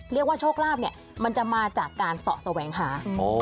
เรียกว่าโชคลาภเนี่ยมันจะมาจากการเสาะแสวงหา